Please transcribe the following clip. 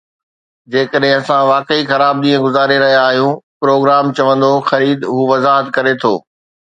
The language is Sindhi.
جيڪڏهن اسان واقعي خراب ڏينهن گذاري رهيا آهيون، پروگرام چوندو 'خريد،' هو وضاحت ڪري ٿو